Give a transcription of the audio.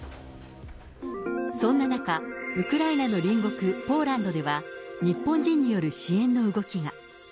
そんな中、ウクライナの隣国、ポーランドでは、日本人による支援の動きが。